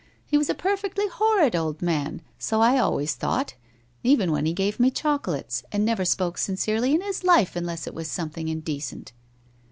He was a perfectly horrid old man, so I always thought, even when he gave me chocolates, and never spoke sincerely in his life unless it was something indecent!'